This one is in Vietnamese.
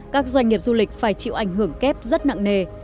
các doanh nghiệp du lịch phải chịu ảnh hưởng kép rất nặng nề